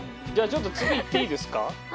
じゃあちょっと次いっていいですか？